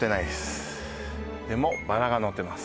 でもバラがのってます